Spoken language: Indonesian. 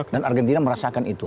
dan argentina merasakan itu